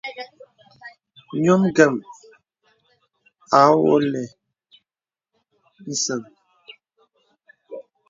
Ǹyɔ̄m ngəm à wɔ̄lə̀ nsəŋ.